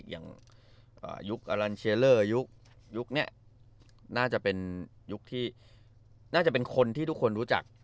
อย่างอ่ายุคยุคน่าจะเป็นยุคที่น่าจะเป็นคนที่ทุกคนรู้จัก